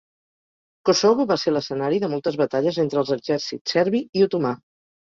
Kosovo va ser l'escenari de moltes batalles entre els exèrcits serbi i otomà.